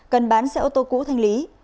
cần bán xe ô tô cũ thanh lý